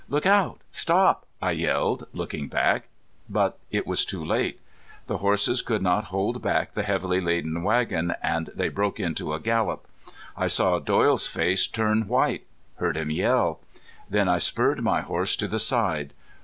"Look out! Stop!" I yelled, looking back. But I was too late. The horses could not hold back the heavily laden wagon, and they broke into a gallop. I saw Doyle's face turn white heard him yell. Then I spurred my horse to the side.